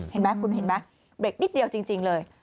เห็นไหมคุณเห็นไหมเบรกนิดเดียวจริงเลย